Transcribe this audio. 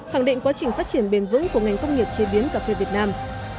khẳng định quá trình phát triển bền vững của ngành công nghiệp chế biến cà phê việt nam